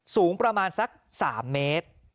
สูงประมาณสัก๓เมตร